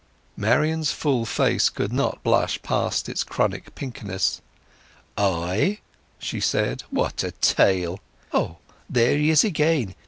Marian's full face could not blush past its chronic pinkness. "I!" she said. "What a tale! Ah, there he is again!